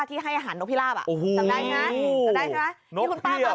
ที่ให้อาหารนกเทรียปจำได้ไหม